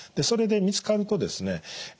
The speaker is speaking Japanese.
それで見つかるとですね